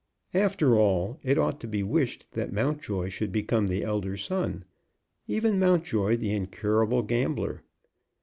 After all, it ought to be wished that Mountjoy should become the elder son, even Mountjoy, the incurable gambler.